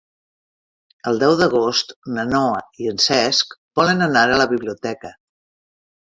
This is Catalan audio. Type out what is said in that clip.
El deu d'agost na Noa i en Cesc volen anar a la biblioteca.